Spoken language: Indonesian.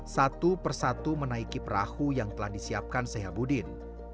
satu persatu menaiki perahu yang telah disiapkan sehabudin